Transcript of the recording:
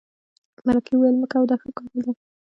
مرکې وویل مه کوه دا ښه کار نه دی.